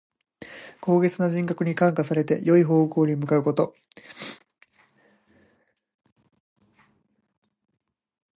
高潔な人格に感化されて、よい方向に向かうこと。「頑」は欲が深いこと。「廉」は心にけがれがないこと。欲が深いものも改心して清廉な人となり、意気地がないものも奮起して志を立てる意。